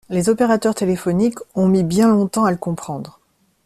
Les opérateurs téléphoniques ont mis bien longtemps à le comprendre.